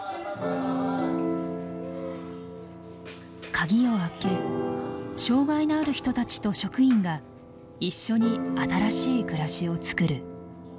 鍵をあけ障害のある人たちと職員が一緒に新しい暮らしをつくる。